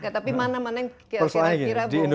tapi mana mana yang kira kira harus di highlight lah